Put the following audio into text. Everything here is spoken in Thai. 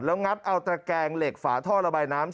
แล้วงัดเอาตระแกงเหล็กฝาท่อระบายน้ำ